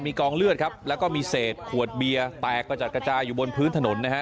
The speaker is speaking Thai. กองเลือดครับแล้วก็มีเศษขวดเบียร์แตกกระจัดกระจายอยู่บนพื้นถนนนะฮะ